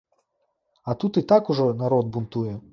А тут і так ужо народ бунтуе.